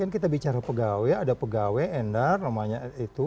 kita bicara pegawai ada pegawai endar namanya itu